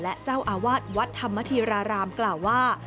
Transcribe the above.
และเจ้าอาวาสวัดธรรมธีรารามกล่าวว่า